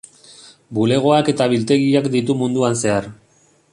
Bulegoak eta biltegiak ditu munduan zehar.